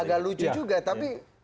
agak lucu juga tapi